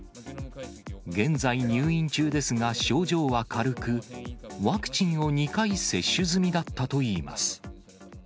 現在入院中ですが、症状は軽く、ワクチンを２回接種済みだったといいます。